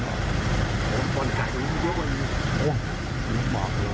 ไม่มากกว่านั้น